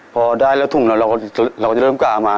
พอได้แล้วทุ่งเราก็เริ่มการออกมา